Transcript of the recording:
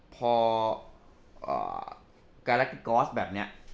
พอกาแรคกล็อสแบบเนี้ย